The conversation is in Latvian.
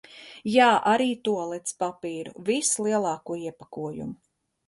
Jā, arī tualetes papīru, vislielāko iepakojumu.